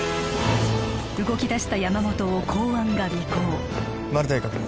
動きだした山本を公安が尾行マルタイ確認